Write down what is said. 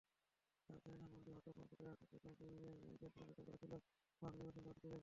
রাজধানীর ধানমন্ডি হকার্স মার্কেটে হাঁটুপানিতে দাঁড়িয়ে ঈদের কেনাকাটা করছিলেন মহাখালীর বাসিন্দা অদিতি রেজা।